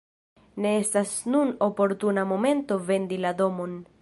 Ne estas nun oportuna momento vendi la domon.